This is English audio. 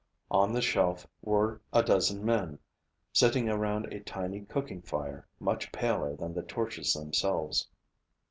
On the shelf were a dozen men, sitting around a tiny cooking fire much paler than the torches themselves.